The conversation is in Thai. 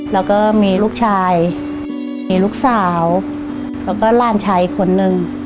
แล้วก็มีลูกชายมีลูกสาวแล้วก็หลานชายอีกคนนึง